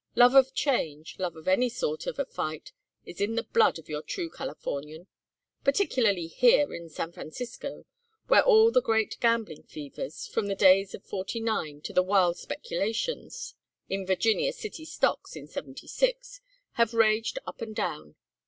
Love of change, love of any sort of a fight, is in the blood of your true Californian particularly here in San Francisco, where all the great gambling fevers, from the days of '49 to the wild speculations in Virginia City stocks in '76, have raged up and out.